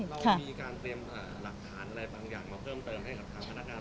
เรามีการเตรียมหลักฐานอะไรบางอย่างมาเพิ่มเติม